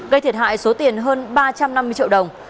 gây thiệt hại số tiền hơn ba trăm năm mươi triệu đồng